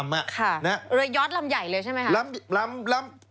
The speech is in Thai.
เรือยอดลำใหญ่เลยใช่ไหมคะ